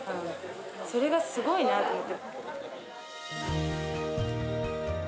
それがすごいなと思って。